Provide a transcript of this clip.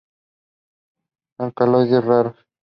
Alcaloides raros.